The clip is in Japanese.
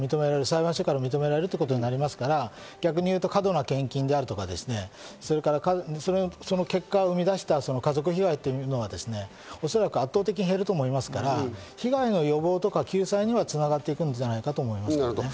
裁判所から認められるということになりますから、逆に言うと過度な献金であるとか、その結果、生み出した家族被害というのは、おそらく圧倒的に減ると思いますから、被害の予防とか救済には繋がっていくんじゃないかと思いますけどね。